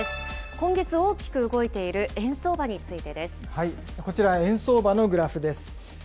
今月、大きく動いている円相場にこちら、円相場のグラフです。